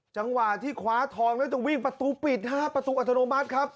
จังหวะที่คว้าทองแล้วจะวิ่งประตูปิดฮะประตูอัตโนมัติครับ